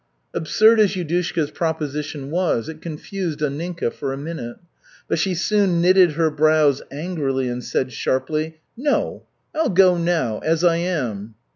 Absurd as Yudushka's proposition was, it confused Anninka for a minute. But she soon knitted her brows angrily and said sharply: "No, I'll go now as I am!"